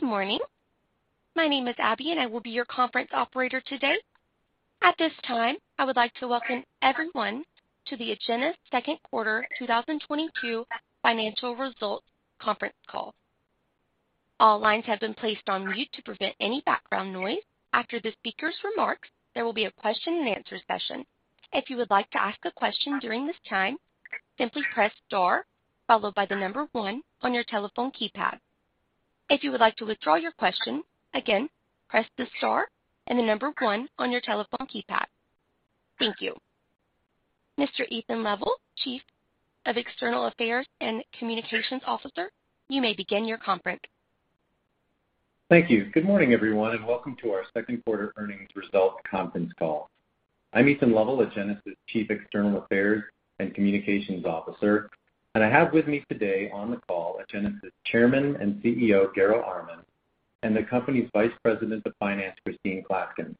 Good morning. My name is Abby, and I will be your conference operator today. At this time, I would like to welcome everyone to the Agenus Second Quarter 2022 Financial Results Conference Call. All lines have been placed on mute to prevent any background noise. After the speaker's remarks, there will be a question and answer session. If you would like to ask a question during this time, simply press star followed by the number one on your telephone keypad. If you would like to withdraw your question, again, press the star and the number one on your telephone keypad. Thank you. Mr. Ethan Lovell, Chief External Affairs & Communications Officer, you may begin your conference. Thank you. Good morning, everyone, and welcome to our second quarter earnings results conference call. I'm Ethan Lovell, Agenus' Chief External Affairs and Communications Officer, and I have with me today on the call Agenus' Chairman and CEO, Garo Armen, and the company's Vice President of Finance, Christine Klaskin.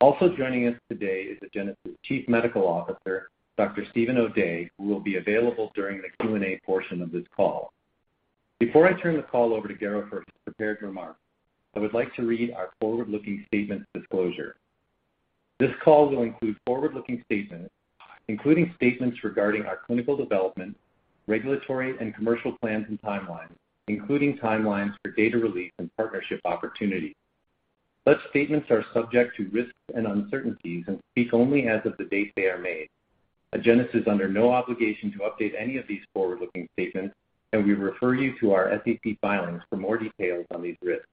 Also joining us today is Agenus' Chief Medical Officer, Dr. Steven O'Day, who will be available during the Q&A portion of this call. Before I turn the call over to Garo for his prepared remarks, I would like to read our forward-looking statements disclosure. This call will include forward-looking statements, including statements regarding our clinical development, regulatory and commercial plans and timelines, including timelines for data release and partnership opportunities. Such statements are subject to risks and uncertainties and speak only as of the date they are made. Agenus is under no obligation to update any of these forward-looking statements, and we refer you to our SEC filings for more details on these risks.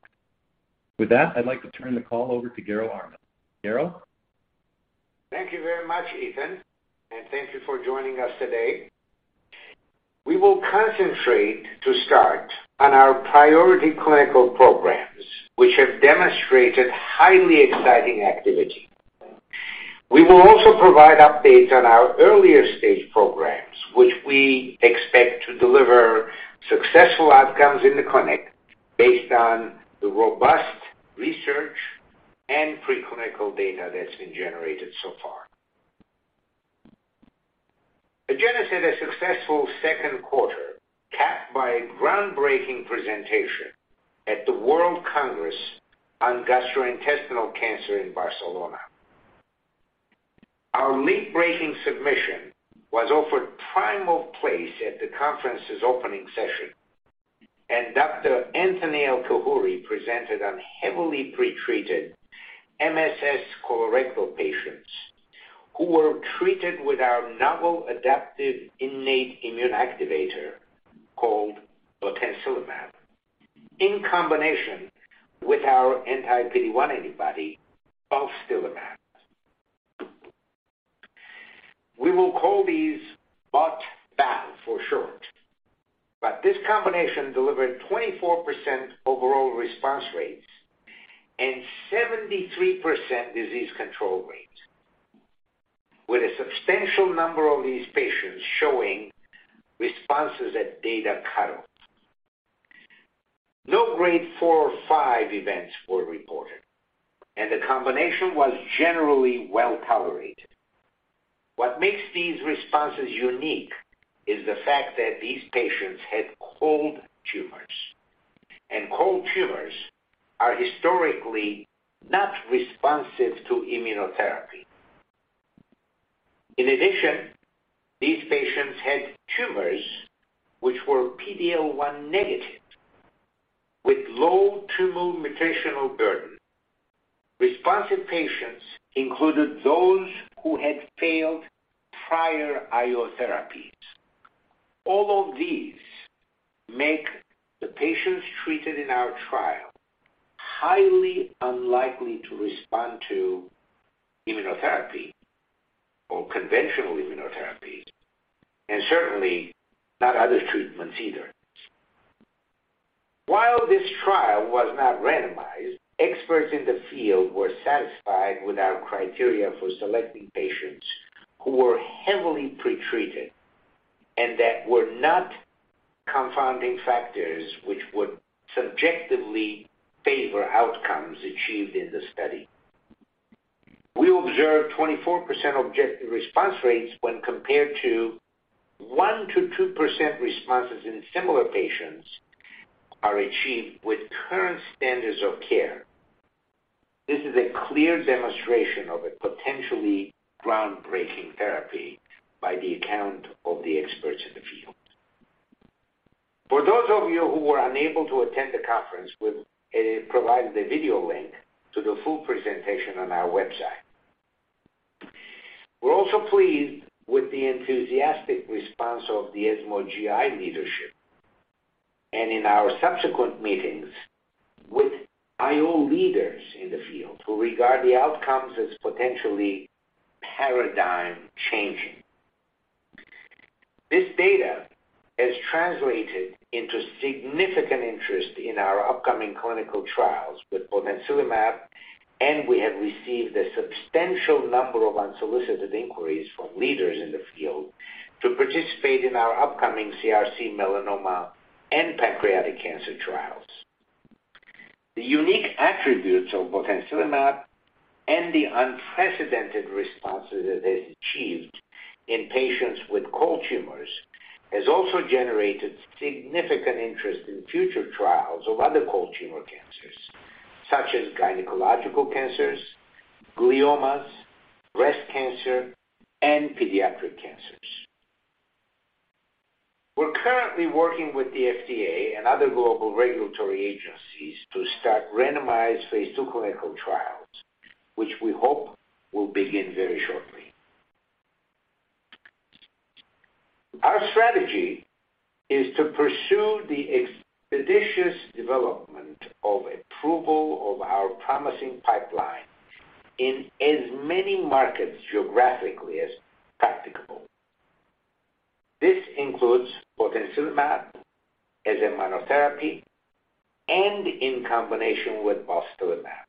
With that, I'd like to turn the call over to Garo Armen. Garo? Thank you very much, Ethan, and thank you for joining us today. We will concentrate to start on our priority clinical programs, which have demonstrated highly exciting activity. We will also provide updates on our earlier stage programs, which we expect to deliver successful outcomes in the clinic based on the robust research and preclinical data that's been generated so far. Agenus had a successful second quarter, capped by a groundbreaking presentation at the World Congress on Gastrointestinal Cancer in Barcelona. Our late-breaking submission was offered prime place at the conference's opening session, and Dr. Anthony El-Khoury presented on heavily pretreated MSS colorectal patients who were treated with our novel adaptive innate immune activator called botensilimab in combination with our anti-PD-1 antibody, balstilimab. We will call these BOT/BAL for short. This combination delivered 24% overall response rates and 73% disease control rates, with a substantial number of these patients showing responses at data cutoffs. No grade four or five events were reported, and the combination was generally well-tolerated. What makes these responses unique is the fact that these patients had cold tumors, and cold tumors are historically not responsive to immunotherapy. In addition, these patients had tumors which were PD-L1 negative with low tumor mutational burden. Responsive patients included those who had failed prior IO therapies. All of these make the patients treated in our trial highly unlikely to respond to immunotherapy or conventional immunotherapy, and certainly not other treatments either. While this trial was not randomized, experts in the field were satisfied with our criteria for selecting patients who were heavily pretreated and that were not confounding factors which would subjectively favor outcomes achieved in the study. We observed 24% objective response rates when compared to 1%-2% responses in similar patients are achieved with current standards of care. This is a clear demonstration of a potentially groundbreaking therapy by the account of the experts in the field. For those of you who were unable to attend the conference, we've provided a video link to the full presentation on our website. We're also pleased with the enthusiastic response of the ESMO GI leadership and in our subsequent meetings with IO leaders in the field who regard the outcomes as potentially paradigm changing. This data has translated into significant interest in our upcoming clinical trials with botensilimab, and we have received a substantial number of unsolicited inquiries from leaders in the field to participate in our upcoming CRC, melanoma, and pancreatic cancer trials. The unique attributes of botensilimab and the unprecedented responses that it has achieved in patients with cold tumors has also generated significant interest in future trials of other cold tumor cancers, such as gynecological cancers, gliomas, breast cancer, and pediatric cancers. We're currently working with the FDA and other global regulatory agencies to start randomized phase II clinical trials, which we hope will begin very shortly. Our strategy is to pursue the expeditious development of approval of our promising pipeline in as many markets geographically as practicable. This includes botensilimab as a monotherapy and in combination with balstilimab,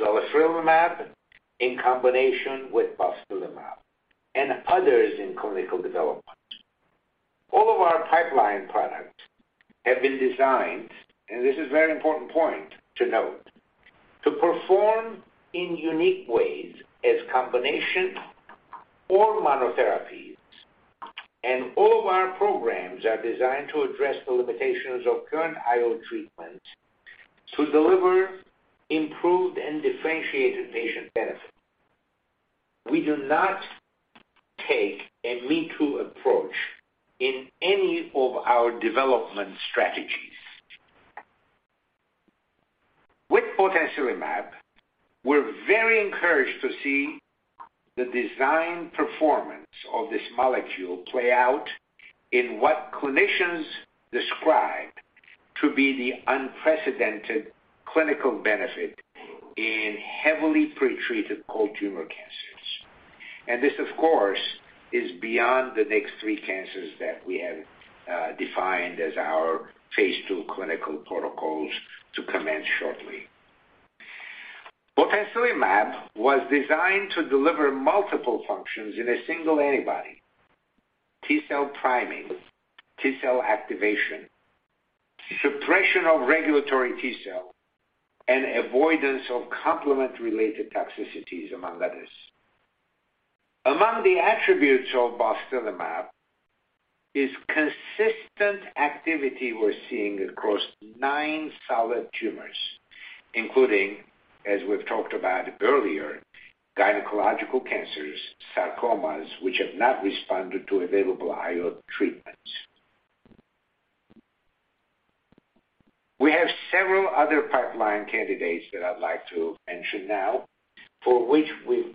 zalifrelimab in combination with balstilimab, and others in clinical development. All of our pipeline products have been designed, and this is a very important point to note, to perform in unique ways as combination or monotherapies. All of our programs are designed to address the limitations of current IO treatments to deliver improved and differentiated patient benefit. We do not take a me-too approach in any of our development strategies. With botensilimab, we're very encouraged to see the design performance of this molecule play out in what clinicians describe to be the unprecedented clinical benefit in heavily pretreated cold tumor cancers. This, of course, is beyond the next three cancers that we have defined as our phase II clinical protocols to commence shortly. Botensilimab was designed to deliver multiple functions in a single antibody. T-cell priming, T-cell activation, suppression of regulatory T-cell, and avoidance of complement-related toxicities, among others. Among the attributes of botensilimab is consistent activity we're seeing across nine solid tumors, including, as we've talked about earlier, gynecological cancers, sarcomas, which have not responded to available IO treatments. We have several other pipeline candidates that I'd like to mention now, for which we've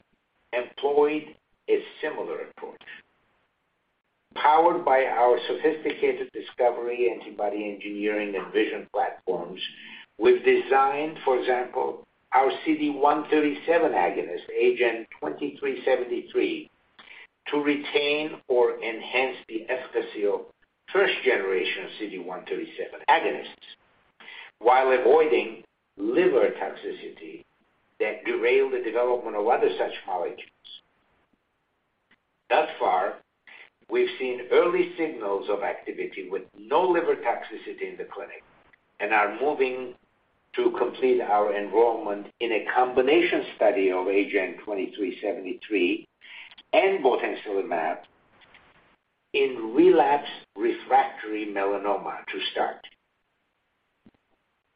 employed a similar approach. Powered by our sophisticated discovery, antibody engineering, and vision platforms, we've designed, for example, our CD137 agonist, AGEN2373, to retain or enhance the efficacy of first generation CD137 agonists while avoiding liver toxicity that derail the development of other such molecules. Thus far, we've seen early signals of activity with no liver toxicity in the clinic and are moving to complete our enrollment in a combination study of AGEN2373 and botensilimab in relapsed refractory melanoma to start.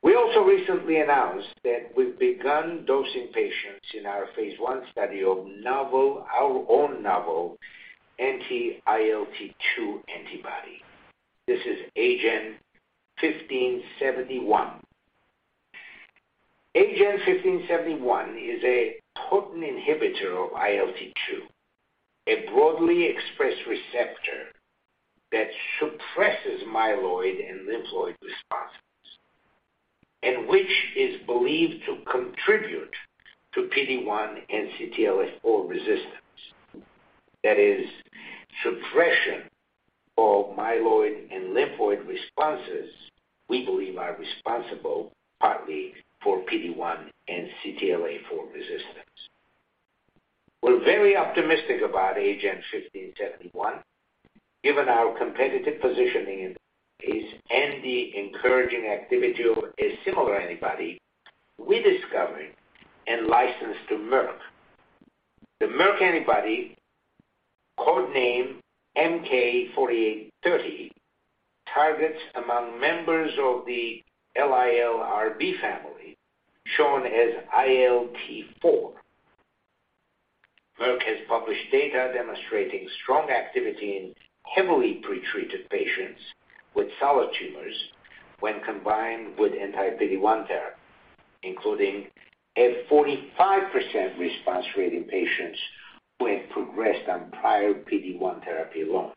We also recently announced that we've begun dosing patients in our phase I study of our own novel anti-ILT2 antibody. This is AGEN1571. AGEN1571 is a potent inhibitor of ILT2, a broadly expressed receptor that suppresses myeloid and lymphoid responses, and which is believed to contribute to PD-1 and CTLA-4 resistance. That is, suppression of myeloid and lymphoid responses, we believe are responsible partly for PD-1 and CTLA-4 resistance. We're very optimistic about AGEN1571, given our competitive positioning in this and the encouraging activity of a similar antibody we discovered and licensed to Merck. The Merck antibody, code-named MK-4830, targets among members of the LILRB family, shown as ILT4. Merck has published data demonstrating strong activity in heavily pretreated patients with solid tumors when combined with anti-PD-1 therapy, including a 45% response rate in patients who had progressed on prior PD-1 therapy alone.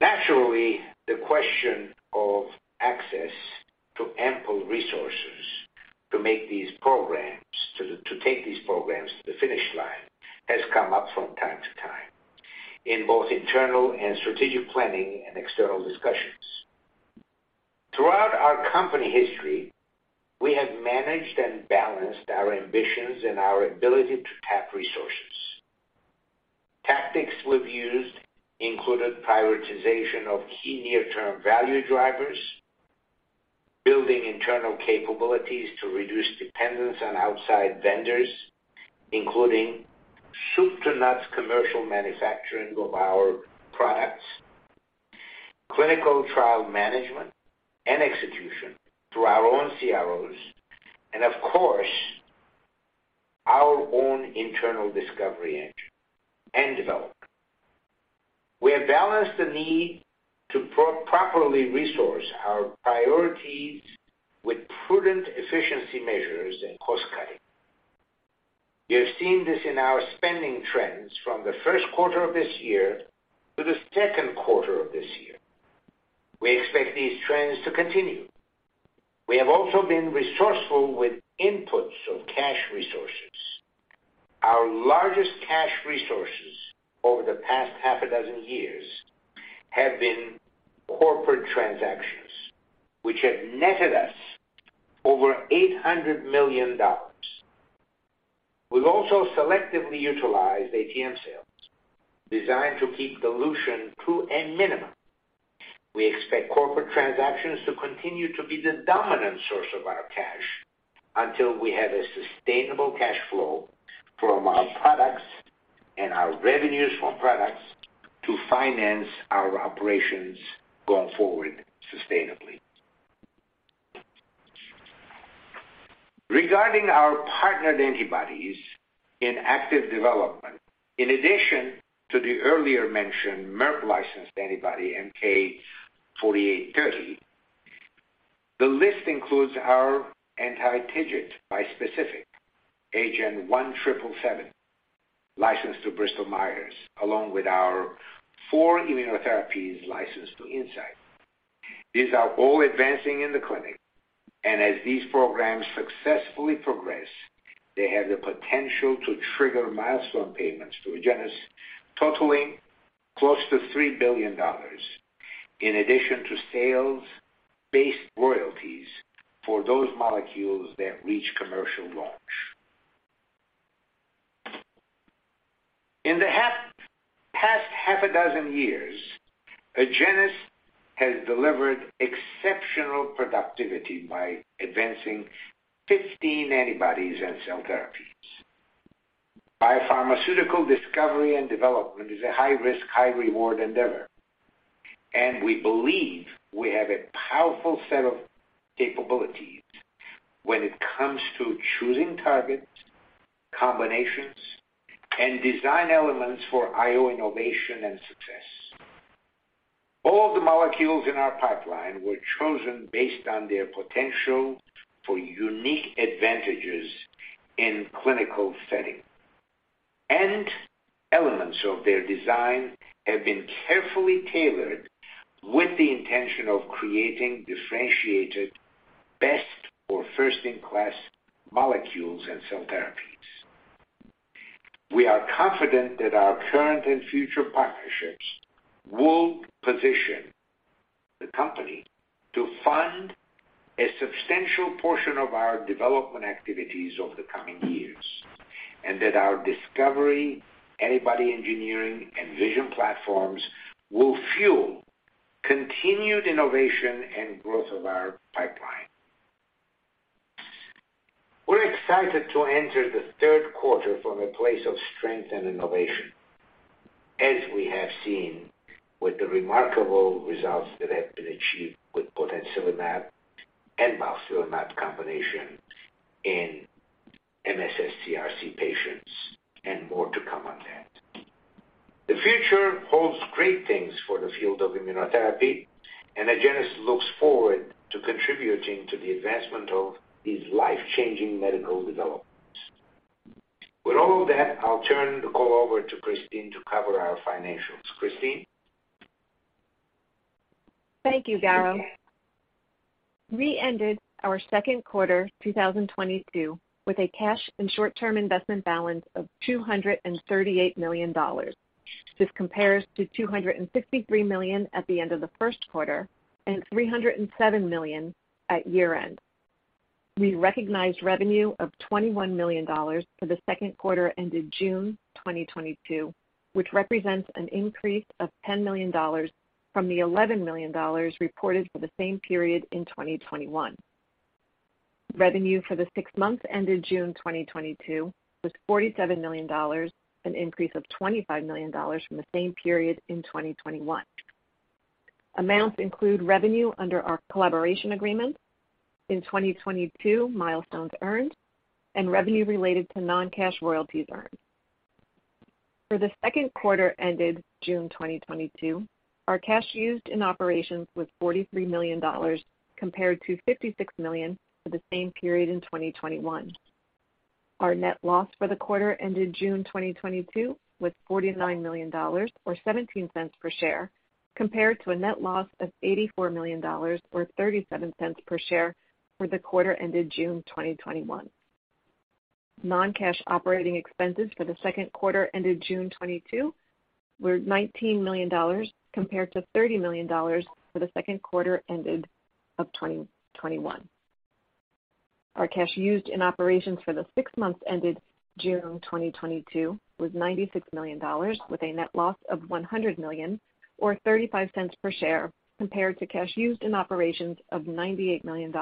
Naturally, the question of access to ample resources to make these programs to take these programs to the finish line has come up from time to time in both internal and strategic planning and external discussions. Throughout our company history, we have managed and balanced our ambitions and our ability to tap resources. Tactics we've used included prioritization of key near-term value drivers, building internal capabilities to reduce dependence on outside vendors, including soup to nuts commercial manufacturing of our products, clinical trial management and execution through our own CROs, and of course, our own internal discovery engine and development. We have balanced the need to properly resource our priorities with prudent efficiency measures and cost cutting. You have seen this in our spending trends from the first quarter of this year to the second quarter of this year. We expect these trends to continue. We have also been resourceful with inputs of cash resources. Our largest cash resources over the past 6 years have been corporate transactions, which have netted us over $800 million. We've also selectively utilized ATM sales, designed to keep dilution to a minimum. We expect corporate transactions to continue to be the dominant source of our cash until we have a sustainable cash flow from our products and our revenues from products to finance our operations going forward sustainably. Regarding our partnered antibodies in active development, in addition to the earlier mentioned Merck-licensed antibody, MK-4830, the list includes our anti-TIGIT bispecific, AGEN1777, licensed to Bristol Myers Squibb, along with our four immunotherapies licensed to Incyte. These are all advancing in the clinic, and as these programs successfully progress, they have the potential to trigger milestone payments to Agenus totaling close to $3 billion, in addition to sales-based royalties for those molecules that reach commercial launch. In the past 6 years, Agenus has delivered exceptional productivity by advancing 15 antibodies and cell therapies. Biopharmaceutical discovery and development is a high-risk, high-reward endeavor, and we believe we have a powerful set of capabilities when it comes to choosing targets, combinations, and design elements for IO innovation and success. All the molecules in our pipeline were chosen based on their potential for unique advantages in clinical setting. Elements of their design have been carefully tailored with the intention of creating differentiated best or first-in-class molecules and cell therapies. We are confident that our current and future partnerships will position the company to fund a substantial portion of our development activities over the coming years, and that our discovery, antibody engineering, and vision platforms will fuel continued innovation and growth of our pipeline. We're excited to enter the third quarter from a place of strength and innovation, as we have seen with the remarkable results that have been achieved with botensilimab and balstilimab combination in MSS CRC patients, and more to come on that. The future holds great things for the field of immunotherapy, and Agenus looks forward to contributing to the advancement of these life-changing medical developments. With all of that, I'll turn the call over to Christine to cover our financials. Christine? Thank you, Garo. We ended our second quarter 2022 with a cash and short-term investment balance of $238 million. This compares to $263 million at the end of the first quarter and $307 million at year-end. We recognized revenue of $21 million for the second quarter ended June 2022, which represents an increase of $10 million from the $11 million reported for the same period in 2021. Revenue for the six months ended June 2022 was $47 million, an increase of $25 million from the same period in 2021. Amounts include revenue under our collaboration agreements, in 2022 milestones earned, and revenue related to non-cash royalties earned. For the second quarter ended June 2022, our cash used in operations was $43 million, compared to $56 million for the same period in 2021. Our net loss for the quarter ended June 2022 was $49 million, or $0.17 per share, compared to a net loss of $84 million or $0.37 per share for the quarter ended June 2021. Non-cash operating expenses for the second quarter ended June 2022 were $19 million, compared to $30 million for the second quarter ended June 2021. Our cash used in operations for the six months ended June 2022 was $96 million, with a net loss of $100 million or 35 cents per share, compared to cash used in operations of $98 million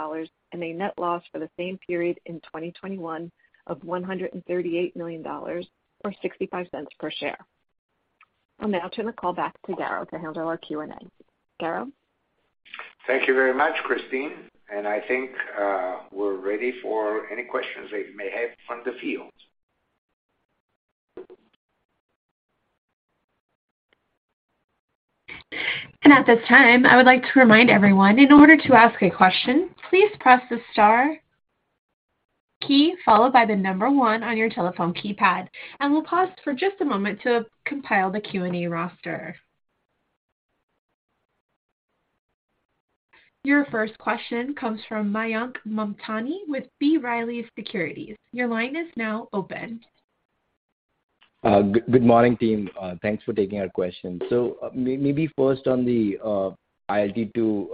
and a net loss for the same period in 2021 of $138 million or 65 cents per share. I'll now turn the call back to Garo to handle our Q&A. Garo? Thank you very much, Christine. I think, we're ready for any questions that you may have from the field. At this time, I would like to remind everyone, in order to ask a question, please press the star key followed by the number one on your telephone keypad, and we'll pause for just a moment to compile the Q&A roster. Your first question comes from Mayank Mamtani with B. Riley Securities. Your line is now open. Good morning, team. Thanks for taking our question. Maybe first on the ILT2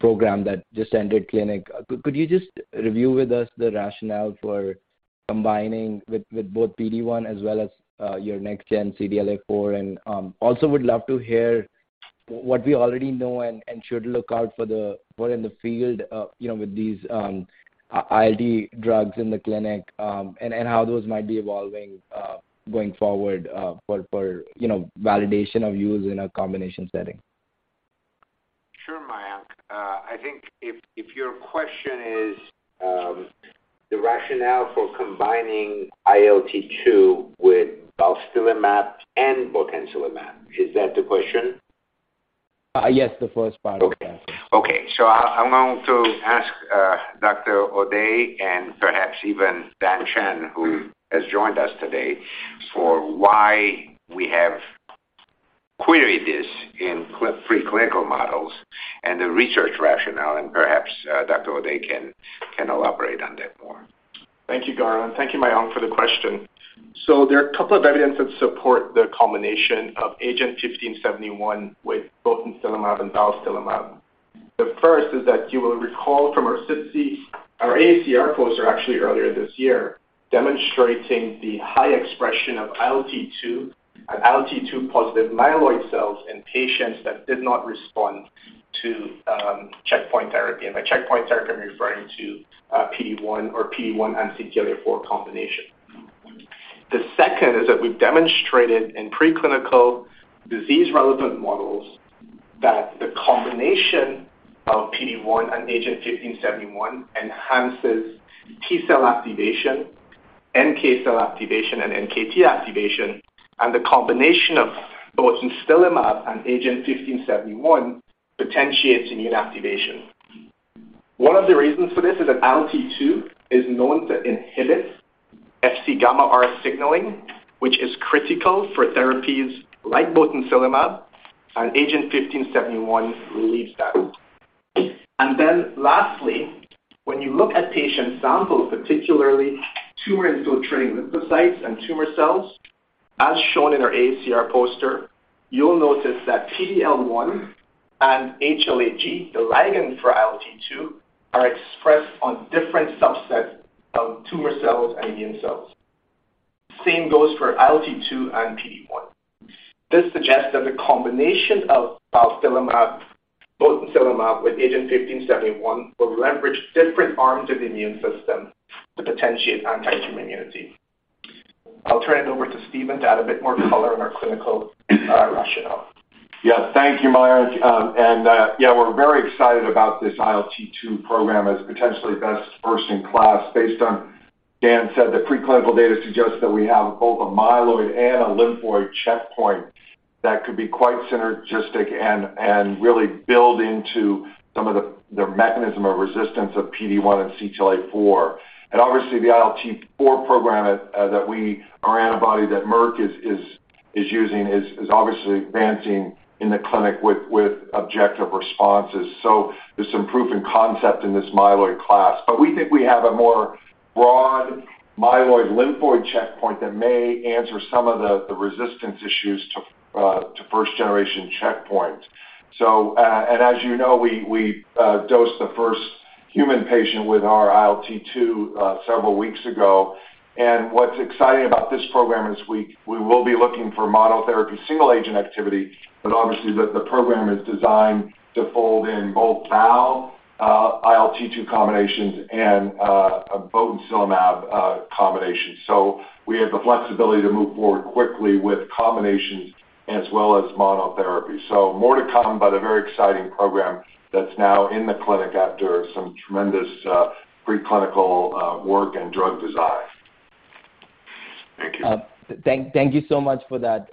program that just entered clinic. Could you just review with us the rationale for combining with both PD-1 as well as your next gen CTLA-4? Also would love to hear what we already know and should look out for what in the field, you know, with these ILT drugs in the clinic, and how those might be evolving going forward, you know, for validation of use in a combination setting. Sure, Mayank. I think if your question is the rationale for combining ILT2 with balstilimab and botensilimab, is that the question? Yes, the first part of that. Okay. I'm going to ask Dr. O'Day and perhaps even Dhan Chand, who has joined us today, for why we have queried this in preclinical models and the research rationale. Perhaps Dr. O'Day can elaborate on that more. Thank you, Garo, and thank you, Mayank, for the question. There are a couple of evidence that support the combination of AGEN 1571 with botensilimab and balstilimab. The first is that you will recall from our SITC, our AACR poster actually earlier this year, demonstrating the high expression of ILT2 and ILT2 positive myeloid cells in patients that did not respond to checkpoint therapy. By checkpoint therapy, I'm referring to PD-1 or PD-1 and CTLA-4 combination. The second is that we've demonstrated in preclinical disease-relevant models that the combination of PD-1 and AGEN 1571 enhances T-cell activation, NK cell activation, and NKT activation, and the combination of botensilimab and AGEN 1571 potentiates immune activation. One of the reasons for this is that ILT2 is known to inhibit Fc gamma receptors signaling, which is critical for therapies like botensilimab, and AGEN1571 relieves that. Then lastly, when you look at patient samples, particularly tumor-infiltrating lymphocytes and tumor cells, as shown in our AACR poster, you'll notice that PDL1 and HLA-G, the ligand for ILT2, are expressed on different subsets of tumor cells and immune cells. Same goes for ILT2 and PD-1. This suggests that the combination of balstilimab, botensilimab with AGEN1571 will leverage different arms of the immune system to potentiate anti-tumor immunity. I'll turn it over to Steven to add a bit more color on our clinical rationale. Yeah. Thank you, Mayank. We're very excited about this ILT2 program as potentially best first in class based on Dan said the preclinical data suggests that we have both a myeloid and a lymphoid checkpoint that could be quite synergistic and really build into some of the mechanism of resistance of PD-1 and CTLA-4. Obviously the ILT4 program that our antibody that Merck is using is obviously advancing in the clinic with objective responses. There's some proof of concept in this myeloid class. We think we have a more broad myeloid lymphoid checkpoint that may answer some of the resistance issues to first generation checkpoint. As you know, we dosed the first human patient with our ILT2 several weeks ago. What's exciting about this program is we will be looking for monotherapy single agent activity, but obviously the program is designed to fold in both bal ILT2 combinations and a botensilimab combination. We have the flexibility to move forward quickly with combinations as well as monotherapy. More to come, but a very exciting program that's now in the clinic after some tremendous preclinical work and drug design. Thank you so much for that,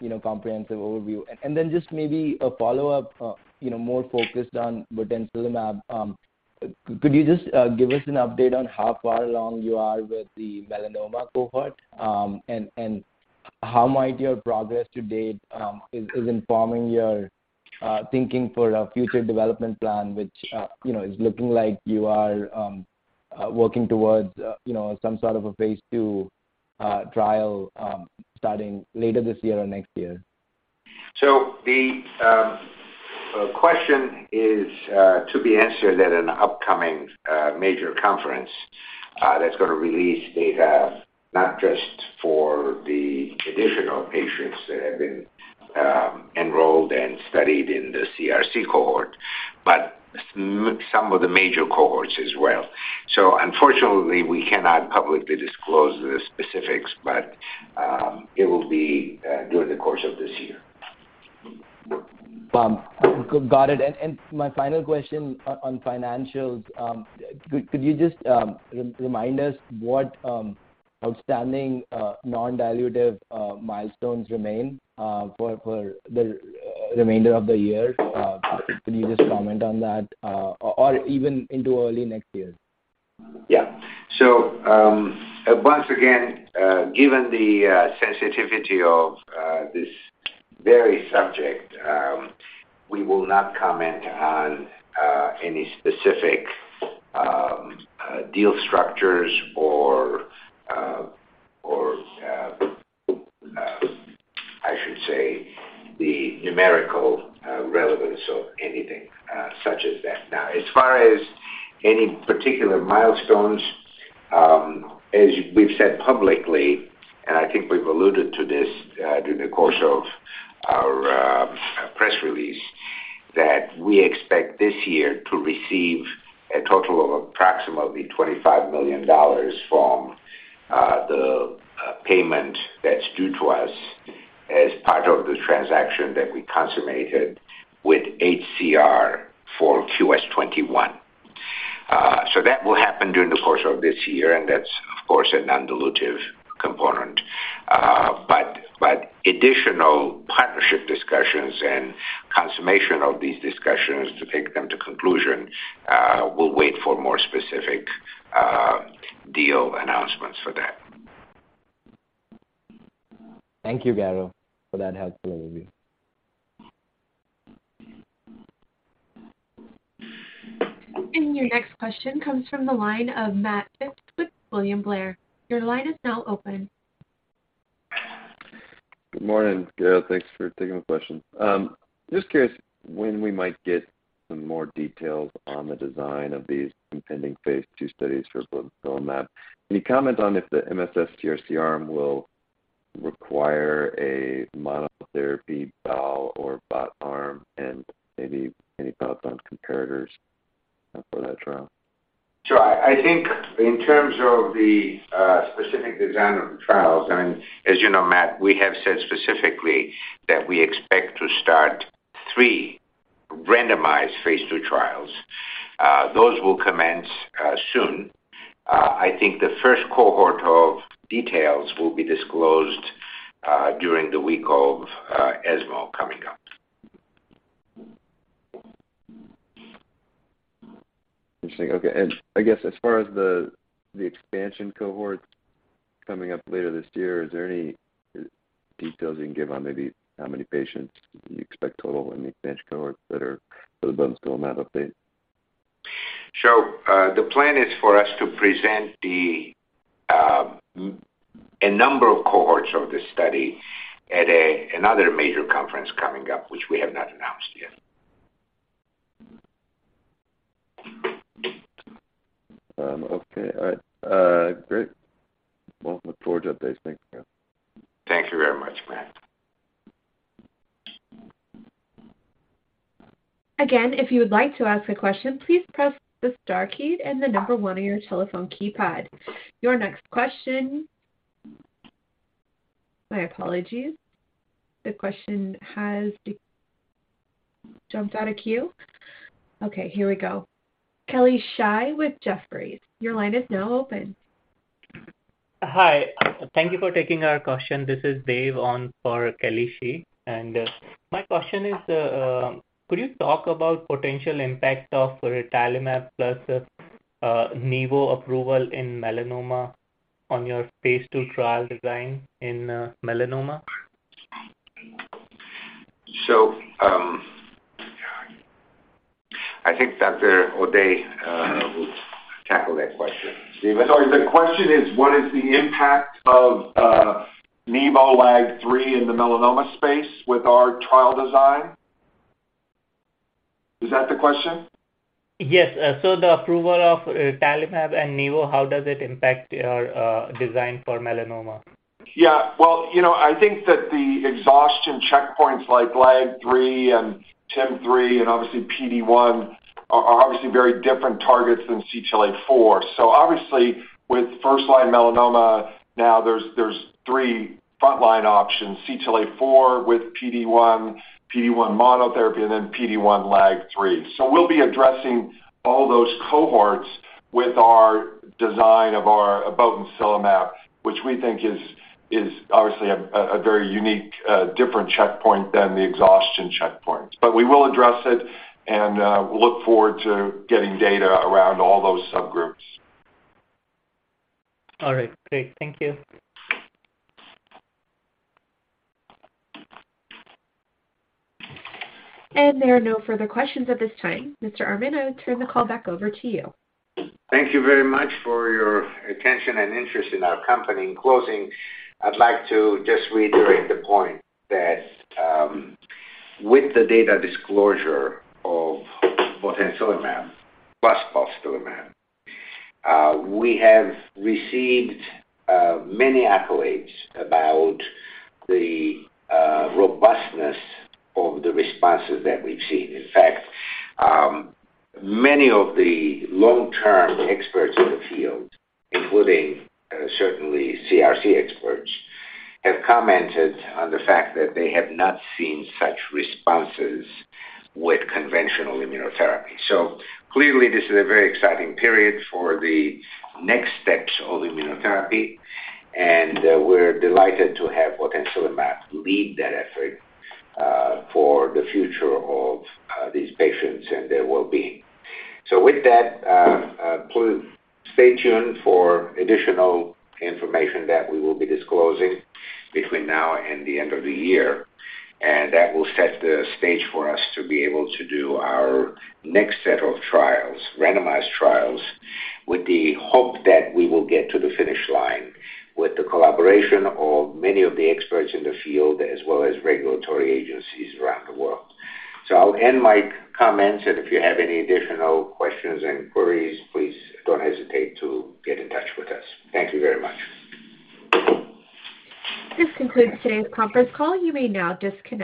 you know, comprehensive overview. Then just maybe a follow-up, you know, more focused on botensilimab. Could you just give us an update on how far along you are with the melanoma cohort? How might your progress to date is informing your thinking for a future development plan, which you know is looking like you are working towards you know some sort of a phase II trial starting later this year or next year? The question is to be answered at an upcoming major conference that's gonna release data not just for the additional patients that have been enrolled and studied in the CRC cohort, but some of the major cohorts as well. Unfortunately, we cannot publicly disclose the specifics, but it will be during the course of this year. Got it. My final question on financials, could you just remind us what outstanding non-dilutive milestones remain for the remainder of the year? Could you just comment on that or even into early next year? Yeah. Once again, given the sensitivity of this very subject, we will not comment on any specific deal structures or, I should say, the numerical relevance of anything such as that. Now, as far as any particular milestones, as we've said publicly, and I think we've alluded to this during the course of our press release, that we expect this year to receive a total of approximately $25 million from the payment that's due to us as part of the transaction that we consummated with HCR for QS-21. So that will happen during the course of this year, and that's, of course, a non-dilutive component. Additional partnership discussions and consummation of these discussions to take them to conclusion, we'll wait for more specific deal announcements for that. Thank you, Garo, for that helpful overview. Your next question comes from the line of Matt Phipps with William Blair. Your line is now open. Good morning, Garo. Thanks for taking the question. Just curious when we might get some more details on the design of these impending phase II studies for botensilimab. Any comment on if the MSS CRC arm will require a monotherapy bot or bot arm? Maybe any thoughts on comparators for that trial? I think in terms of the specific design of the trials, I mean, as you know, Matt, we have said specifically that we expect to start three randomized phase II trials. Those will commence soon. I think the first cohort of details will be disclosed during the week of ESMO coming up. Interesting. Okay. I guess as far as the expansion cohort coming up later this year, is there any details you can give on maybe how many patients you expect total in the expansion cohort that are for the botensilimab update? The plan is for us to present a number of cohorts of this study at another major conference coming up, which we have not announced yet. Okay. All right. Great. Well, look forward to updates. Thanks, Garo. Thank you very much, Matt. Again, if you would like to ask a question, please press the star key and the number one on your telephone keypad. Your next question. My apologies. The question has jumped out of queue. Okay, here we go. Kelly Shi with Jefferies. Your line is now open. Hi. Thank you for taking our question. This is Dave on for Kelly Shi. My question is, could you talk about potential impact of relatlimab plus nivolumab approval in melanoma on your phase II trial design in melanoma? I think Dr. O'Day will tackle that question. Steven? Sorry. The question is what is the impact of nivolumab LAG-3 in the melanoma space with our trial design? Is that the question? Yes. The approval of relatlimab and nivolumab, how does it impact your design for melanoma? Yeah. Well, you know, I think that the exhaustion checkpoints like LAG-3 and TIM-3 and obviously PD-1 are obviously very different targets than CTLA-4. Obviously with first-line melanoma now there's three frontline options, CTLA-4 with PD-1, PD-1 monotherapy, and then PD-1 LAG-3. We'll be addressing all those cohorts with our design of our botensilimab, which we think is obviously a very unique different checkpoint than the exhaustion checkpoints. We will address it and look forward to getting data around all those subgroups. All right, great. Thank you. There are no further questions at this time. Mr. Armen, I will turn the call back over to you. Thank you very much for your attention and interest in our company. In closing, I'd like to just reiterate the point that with the data disclosure of botensilimab plus balstilimab, we have received many accolades about the robustness of the responses that we've seen. In fact, many of the long-term experts in the field, including certainly CRC experts, have commented on the fact that they have not seen such responses with conventional immunotherapy. Clearly this is a very exciting period for the next steps of immunotherapy, and we're delighted to have botensilimab lead that effort for the future of these patients and their well-being. With that, please stay tuned for additional information that we will be disclosing between now and the end of the year, and that will set the stage for us to be able to do our next set of trials, randomized trials, with the hope that we will get to the finish line with the collaboration of many of the experts in the field, as well as regulatory agencies around the world. I'll end my comments, and if you have any additional questions and queries, please don't hesitate to get in touch with us. Thank you very much. This concludes today's conference call. You may now disconnect.